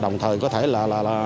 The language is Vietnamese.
đồng thời có thể là